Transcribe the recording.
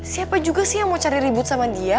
siapa juga sih yang mau cari ribut sama dia